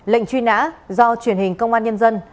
lệnh truy nã do truyền hình công an nhân dân